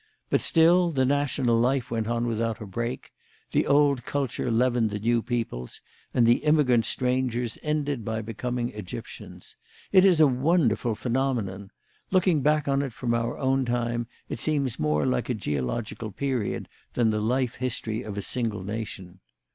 But still the national life went on without a break; the old culture leavened the new peoples, and the immigrant strangers ended by becoming Egyptians. It is a wonderful phenomenon. Looking back on it from our own time, it seems more like a geological period than the life history of a single nation.